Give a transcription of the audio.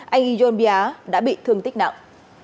anh ijon pia đã bị thương tích nặng